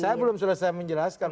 saya belum sudah saya menjelaskan